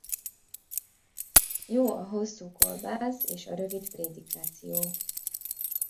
Jó a hosszú kolbász és a rövid prédikáció.